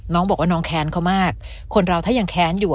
น้องบอกว่าน้องแค้นเขามากคนเราถ้ายังแค้นอยู่